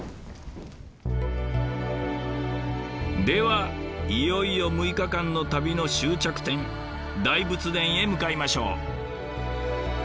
ではいよいよ６日間の旅の終着点大仏殿へ向かいましょう。